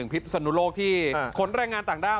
พิษสนุโลกที่ขนแรงงานต่างด้าว